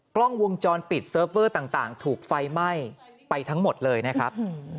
กล้องวงจรปิดเซิร์ฟเวอร์ต่างถูกไฟไหม้ไปทั้งหมดเลยนะครับ